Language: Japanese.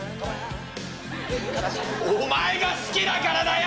「お前が好きだからだよ！」。